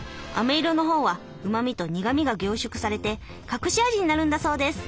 あめ色の方はうまみと苦みが凝縮されて隠し味になるんだそうです。